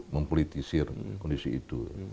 mempolitisir kondisi itu